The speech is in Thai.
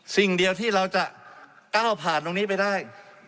สิ่งเดียวที่เราจะก้าวผ่านตรงนี้ไปได้